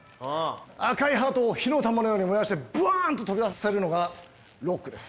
赤いハートを火の玉のように燃やしてばんと飛び出させるのがロックです。